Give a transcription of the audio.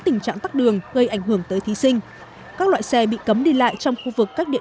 tình trạng tắt đường gây ảnh hưởng tới thí sinh các loại xe bị cấm đi lại trong khu vực các địa